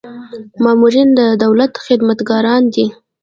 مامورین د دولت خدمتګاران دي